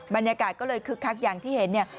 บรรยากาศก็เลยคึกคักอย่างที่เห็นเนี่ย